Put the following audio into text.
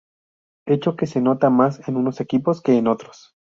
Hecho que se nota más en unos equipos que en otros.